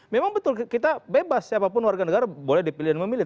memang betul kita bebas siapapun warga negara boleh dipilih dan memilih